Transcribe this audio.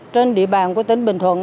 trên địa bàn của tỉnh bình thuận